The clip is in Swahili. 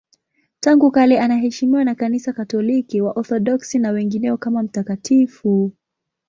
Tangu kale anaheshimiwa na Kanisa Katoliki, Waorthodoksi na wengineo kama mtakatifu.